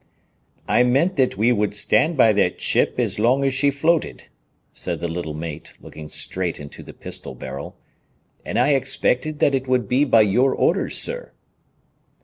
"I meant that we would stand by that ship as long as she floated," said the little mate, looking straight into the pistol barrel, "and I expected that it would be by your orders, sir."